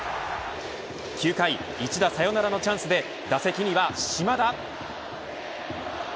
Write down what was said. ９回一打サヨナラのチャンスで打席には島田。